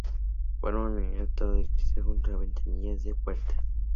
Forma una unidad todo de cristal junto con las ventanillas de las puertas.